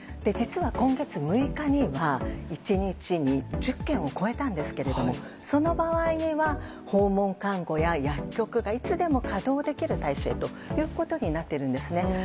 実は、今月６日には１日に１０件を超えたんですがその場合には訪問看護や薬局がいつでも稼働できる体制となっているんですね。